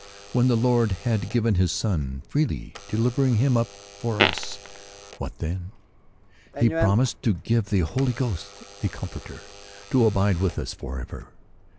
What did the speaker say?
When the Lord had given his Son, freely delivering him up for us all — what then ? He promised to give the Holy Ghost, the Comforter, to abide with us for ever.